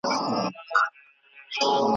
تر محتسب پوري مو ډکي پیالې وساتلې